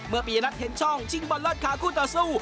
ปียนัทเห็นช่องชิงบอลลอดขาคู่ต่อสู้